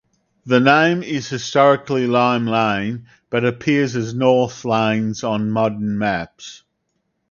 The name is historically Lime Lane but appears as North Lanes on modern maps.